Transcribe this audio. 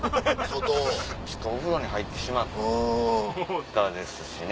ちょっとお風呂に入ってしまったですしね。